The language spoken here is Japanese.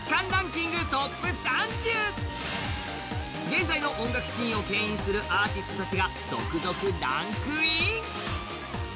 現在の音楽シーンをけん引するアーティストたちが続々ランクイン。